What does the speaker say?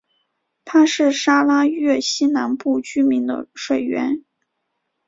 它是沙拉越西南部居民的水源。